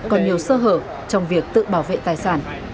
còn nhiều sơ hở trong việc tự bảo vệ tài sản